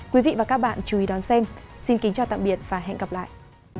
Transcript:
cảm ơn các bạn đã theo dõi và hẹn gặp lại